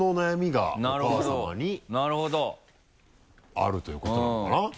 あるということなのかな。